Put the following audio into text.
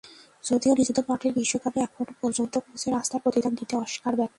যদিও নিজেদের মাটির বিশ্বকাপে এখনো পর্যন্ত কোচের আস্থার প্রতিদান দিতে অস্কার ব্যর্থ।